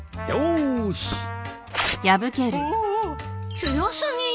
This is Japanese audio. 強すぎよ！